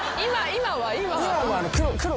今は。